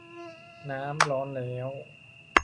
น้ำร้อนแล้ว